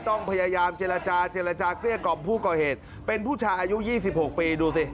ต้องพยายามเจรจาเจรจาเกลี้ยกล่อมผู้ก่อเหตุเป็นผู้ชายอายุ๒๖ปีดูสิ